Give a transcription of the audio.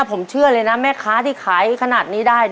ผมเชื่อเลยนะแม่ค้าที่ขายขนาดนี้ได้